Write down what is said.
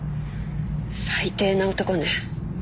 最低な男ね。